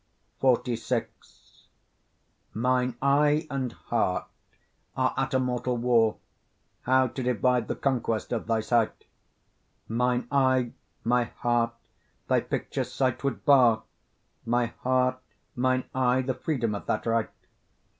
XLVI Mine eye and heart are at a mortal war, How to divide the conquest of thy sight; Mine eye my heart thy picture's sight would bar, My heart mine eye the freedom of that right.